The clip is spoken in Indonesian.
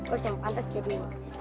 oh yang pantas jadi